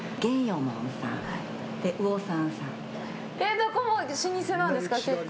どこも老舗なんですか、結構。